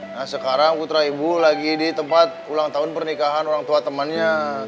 nah sekarang putra ibu lagi di tempat ulang tahun pernikahan orang tua temannya